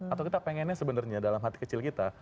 atau kita pengennya sebenarnya dalam hati kecil kita